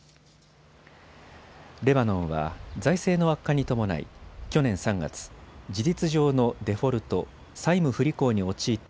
レバノンは財政の悪化に伴い去年３月、事実上のデフォルト・債務不履行に陥った